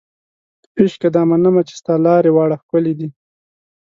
عشقه دا منمه چې ستا لارې واړې ښکلې دي